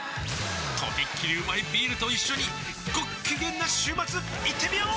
とびっきりうまいビールと一緒にごっきげんな週末いってみよー！